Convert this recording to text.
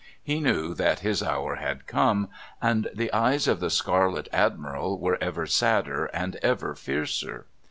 He knew that his hour had come. And the eyes of the Scarlet Admiral were ever sadder and ever fiercer.